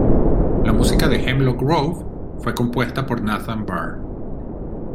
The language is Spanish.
La música de Hemlock Grove fue compuesta por Nathan Barr.